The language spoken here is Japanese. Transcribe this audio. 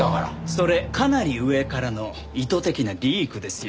それかなり上からの意図的なリークですよ。